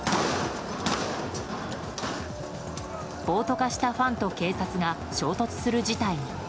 暴徒と化したファンと警察が衝突する事態に。